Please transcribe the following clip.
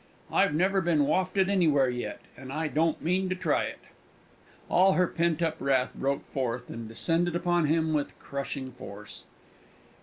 I've never been wafted anywhere yet, and I don't mean to try it!" All her pent up wrath broke forth and descended upon him with crushing force.